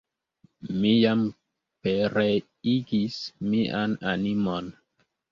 Mi jam pereigis mian animon!